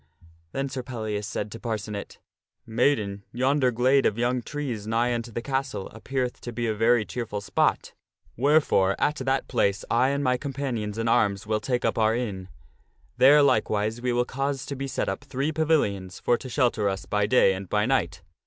Then Sir Pellias said to Parcenet :" Maiden, yonder glade of young trees nigh unto the castle appeareth to be a very cheerful spot. Where 22 8 THE STORY OF SIR PELLIAS fore at that place I and my companions in arms will take up our inn. There, likewise, we will cause to be set up three pavilions for to shelter us by day and by night.